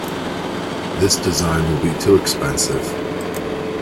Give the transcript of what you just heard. This design will be too expensive.